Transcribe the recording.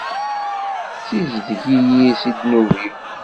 Ssizdeg-iyi si ddnub-iw.